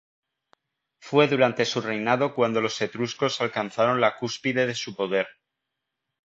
Fue durante su reinado cuando los etruscos alcanzaron la cúspide de su poder.